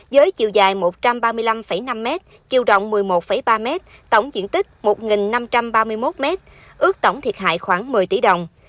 với chiều dài một trăm ba mươi năm năm m chiều rộng một mươi một ba m tổng diện tích một năm trăm ba mươi một m ước tổng thiệt hại khoảng một mươi tỷ đồng